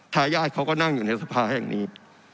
ทายาทเขาก็นั่งอยู่ในสภาแห่งนี้